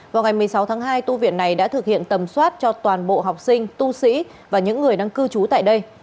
vào ngày một mươi sáu tháng hai tu viện này đã thực hiện tầm soát cho toàn bộ học sinh tu sĩ và những người đang cư trú tại đây